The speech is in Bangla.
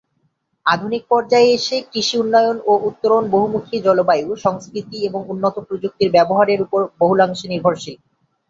আধুনিক পর্যায়ে এসে কৃষির উন্নয়ন ও উত্তরণ বহুমূখী জলবায়ু, সংস্কৃতি এবং উন্নত প্রযুক্তি ব্যবহারের উপর বহুলাংশে নির্ভরশীল।